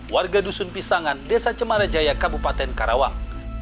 warga dusun pisangan desa cemarajaya kabupaten karawang